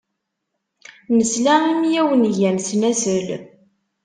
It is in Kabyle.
Nesla mi awen-gan snasel.